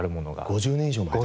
５０年以上前か。